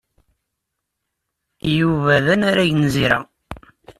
Yuba d anarag n Zira.